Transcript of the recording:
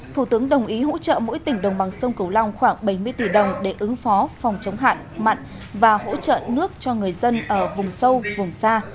thủ tướng đồng ý hỗ trợ mỗi tỉnh đồng bằng sông cửu long khoảng bảy mươi tỷ đồng để ứng phó phòng chống hạn mặn và hỗ trợ nước cho người dân ở vùng sâu vùng xa